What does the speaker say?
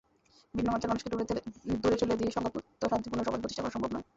ভিন্নমতের মানুষকে দূরে ঠেলে দিয়ে সংঘাতমুক্ত শাক্তিপূর্ণ সমাজ প্রতিষ্ঠা করা সম্ভব নয়।